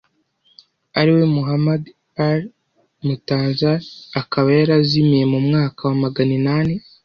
ari we Muḥammad al-Muntaẓar akaba yarazimiye mu mwaka wa maganinani